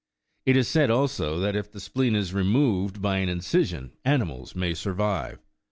It is said also, that if the spleen is removed97 by an incision, animals may survive.